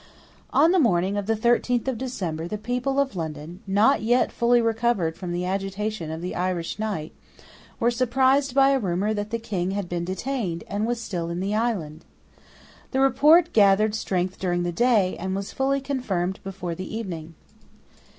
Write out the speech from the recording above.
On the morning of the thirteenth of December the people of London, not yet fully recovered from the agitation of the Irish Night, were surprised by a rumour that the King had been detained, and was still in the island. The report gathered strength during the day, and was fully confirmed before the evening.